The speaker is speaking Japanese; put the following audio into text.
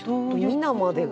皆までが。